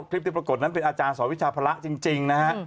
คลิปที่ปรากฏนั้นเป็นอาจารย์สอวิชาภาระจริงนะฮะ